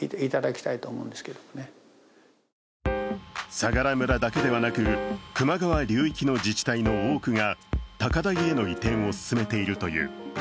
相良村だけではなく球磨川流域の自治体の多くが高台への移転を進めているという。